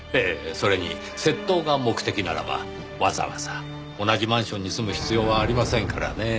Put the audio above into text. それに窃盗が目的ならばわざわざ同じマンションに住む必要はありませんからねぇ。